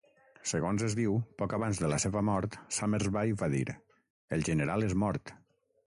Segons es diu, poc abans de la seva mort, Summersby va dir: "El general és mort".